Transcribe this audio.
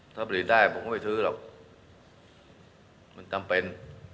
ถ้าผลิตได้ผมก็ไม่ซื้อหรอกมันจำเป็น